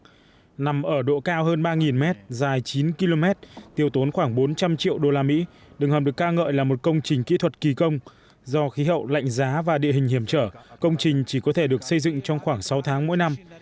đường hầm nằm ở độ cao hơn ba mét dài chín km tiêu tốn khoảng bốn trăm linh triệu usd đường hầm được ca ngợi là một công trình kỹ thuật kỳ công do khí hậu lạnh giá và địa hình hiểm trở công trình chỉ có thể được xây dựng trong khoảng sáu tháng mỗi năm